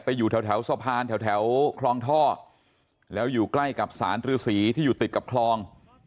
อยู่แถวสะพานแถวคลองท่อแล้วอยู่ใกล้กับสารฤษีที่อยู่ติดกับคลอง